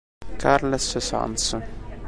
Carles Sans